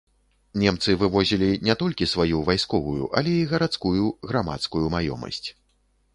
Немцы вывозілі не толькі сваю вайсковую, але і гарадскую, грамадскую маёмасць.